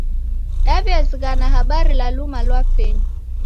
Daw'iazighana habari ra luma lwa penyu.